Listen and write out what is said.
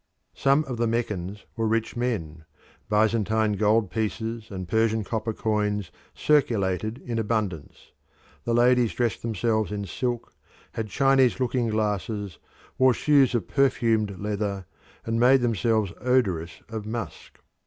Some of the Meccans were rich men; Byzantine gold pieces and Persian copper coins circulated in abundance; the ladies dressed themselves in silk, had Chinese looking glasses, wore shoes of perfumed leather, and made themselves odorous of musk.